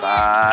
oh di sini